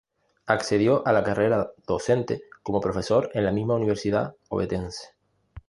Accedió a la carrera docente como profesor en la misma universidad ovetense.